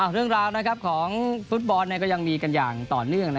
เรื่องราวของฟุตบอลก็ยังมีกันอย่างต่อเนื่อง